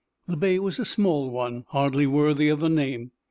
The bay was a small one, hardly worthy of the name.